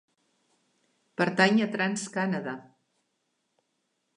Pertany a TransCanada.